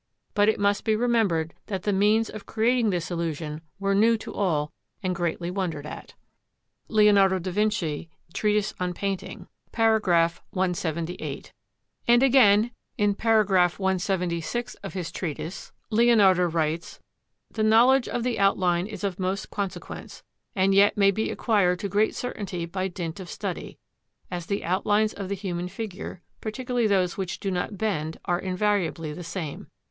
But it must be remembered that the means of creating this illusion were new to all and greatly wondered at. [Footnote 1: Leonardo da Vinci, Treatise on Painting, paragraph 178.] And again, in paragraph 176 of his treatise, Leonardo writes: "The knowledge of the outline is of most consequence, and yet may be acquired to great certainty by dint of study; as the outlines of the human figure, particularly those which do not bend, are invariably the same.